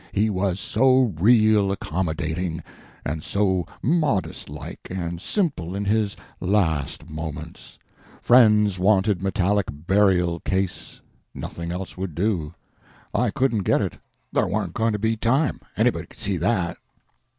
He was so real accommodating, and so modest like and simple in his last moments. Friends wanted metallic burial case nothing else would do. I couldn't get it. There warn't going to be time anybody could see that.